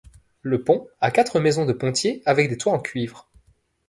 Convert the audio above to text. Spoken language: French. Le pont a quatre maisons de pontier avec des toits en cuivre.